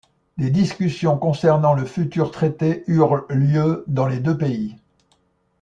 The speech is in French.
Des discussions concernant le futur traité eurent lieu dans les deux pays.